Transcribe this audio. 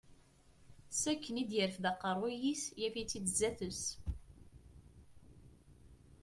S akken i d-yerfed aqerruy-is yaf-itt-id sdat-s.